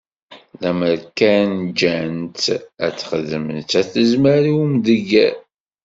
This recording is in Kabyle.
Lemmer kan ǧǧan-tt ad texdem, nettat tezmer i umdegger.